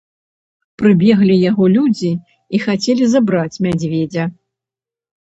Прыбеглі яго людзі і хацелі забраць мядзведзя.